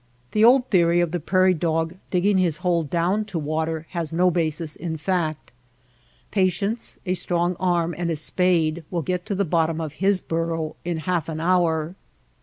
The old theory of the prairie dog digging his hole down to water has no basis in fact. Patience, a strong arm and a spade will get to the bottom of his burrow in half an hour.